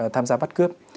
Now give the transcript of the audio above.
tham gia bắt cướp